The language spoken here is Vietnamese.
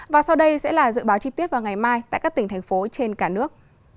và sau đây sẽ là dự báo chi tiết vào ngày mai tại các tỉnh thành phố trên cả nước